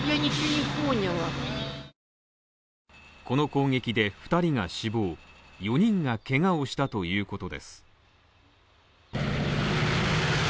この攻撃で２人が死亡、４人がけがをしたということです。